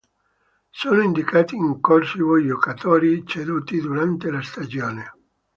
Sono indicati in corsivo i giocatori ceduti durante la stagione.